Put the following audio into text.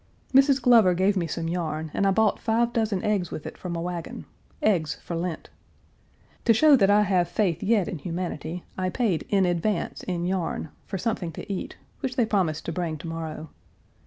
Mrs. Glover gave me some yarn, and I bought five dozen eggs with it from a wagon eggs for Lent. To show that I have faith yet in humanity, I paid in advance in yarn for something to eat, which they promised to bring to morrow.